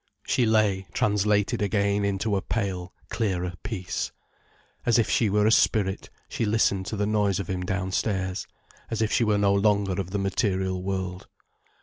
She lay translated again into a pale, clearer peace. As if she were a spirit, she listened to the noise of him downstairs, as if she were no longer of the material world.